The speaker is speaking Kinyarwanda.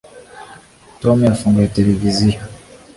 tom yafunguye televiziyo